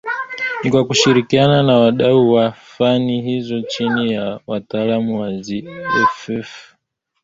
Ni kwa kushirikiana na wadau wa fani hiyo chini ya wataalam wa Ziff